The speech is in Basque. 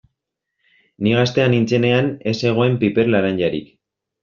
Ni gaztea nintzenean ez zegoen piper laranjarik.